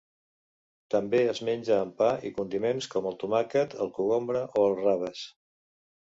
També es menja amb pa i condiments com el tomàquet, el cogombre o els raves.